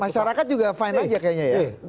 masyarakat juga fine aja kayaknya ya